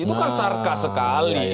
itu kan sarkas sekali